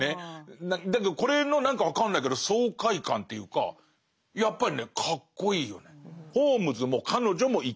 だけどこれの何か分かんないけど爽快感というかやっぱりねかっこいいよね。